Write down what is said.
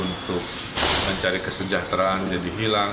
untuk mencari kesejahteraan jadi hilang